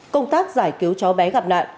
công tác giải cứu cháu bé gặp nạn